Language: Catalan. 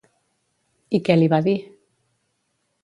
I què li va dir?